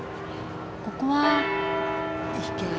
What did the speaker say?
ここは？